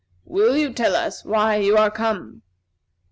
Will you tell us why you are come?"